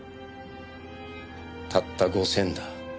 たった５０００だ。